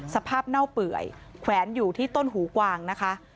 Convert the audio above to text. เน่าเปื่อยแขวนอยู่ที่ต้นหูกวางนะคะ